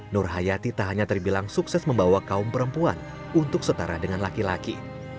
nur hayati tak hanya terbilang sukses membawa kaum perempuan untuk setara dengan laki laki